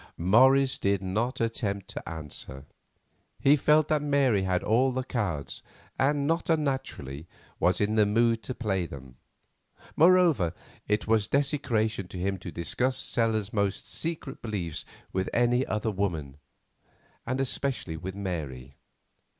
Morris did not attempt to answer. He felt that Mary held all the cards, and, not unnaturally, was in a mood to play them. Moreover, it was desecration to him to discuss Stella's most secret beliefs with any other woman, and especially with Mary.